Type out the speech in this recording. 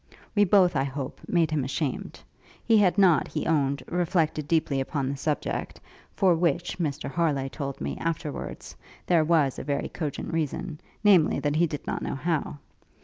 We both, I hope, made him ashamed. He had not, he owned, reflected deeply upon the subject; for which, Mr Harleigh told me, afterwards, there was a very cogent reason, namely, that he did not know how!